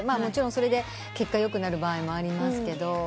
もちろんそれで結果よくなる場合もありますけど。